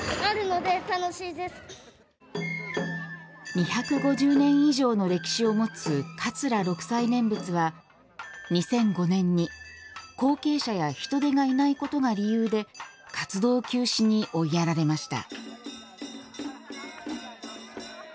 ２５０年以上の歴史を持つ桂六斎念仏は２００５年に、後継者や人手がいないことが理由で活動休止に追いやられました。